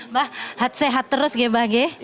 mbak sehat terus ya mbak